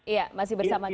iya masih bersama kami